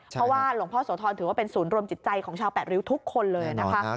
เพราะว่าหลวงพ่อโสธรถือว่าเป็นศูนย์รวมจิตใจของชาวแปดริ้วทุกคนเลยนะคะ